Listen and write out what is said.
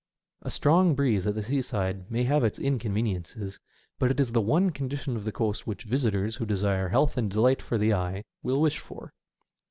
A strong breeze at the seaside may have its inconveniences, but it is the one condition of the coast which visitors who desire health and delight for the eye will wish for.